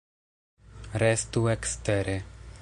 Restu ekstere!